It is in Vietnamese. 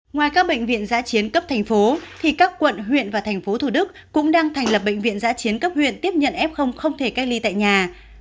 ngoài các bệnh viện giã chiến cấp thành phố thì các quận huyện và thành phố thủ đức cũng đang thành lập bệnh viện giã chiến cấp huyện tiếp nhận f không thể cách ly tại nhà